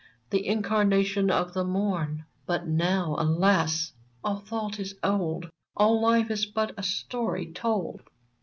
The Incarnation of the Morn ! But now, alas ! all thought is old, All life is but a story told.